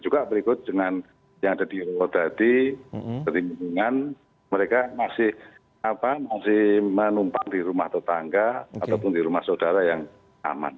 juga berikut dengan yang ada di rodadi perlindungan mereka masih menumpang di rumah tetangga ataupun di rumah saudara yang aman